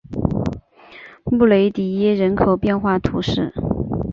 穆雷迪耶人口变化图示